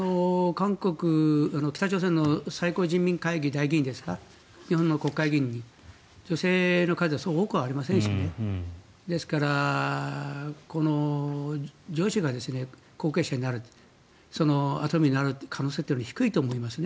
北朝鮮の最高人民会議代議員ですか日本の国会議員より、女性の数はそう多くはありませんしねですから、女子が後継者になる跡目になる可能性っていうのは低いと思いますね。